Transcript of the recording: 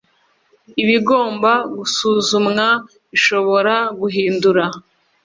ibigomba gusuzumwa ishobora guhinduka